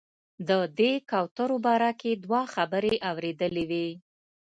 د دې کوترو باره کې دوه خبرې اورېدلې وې.